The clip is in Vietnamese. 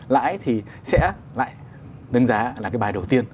lãi thì sẽ lại đánh giá là cái bài đầu tiên